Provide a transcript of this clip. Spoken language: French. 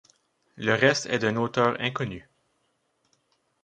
Le reste est d'un auteur inconnu.